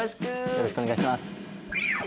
よろしくお願いします。